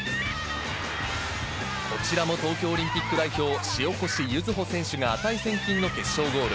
こちらも東京オリンピック代表、塩越柚歩選手が値千金の決勝ゴール。